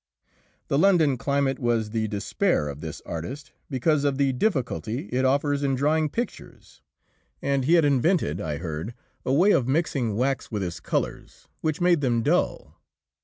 The London climate was the despair of this artist because of the difficulty it offers to drying pictures, and he had invented, I heard, a way of mixing wax with his colours, which made them dull.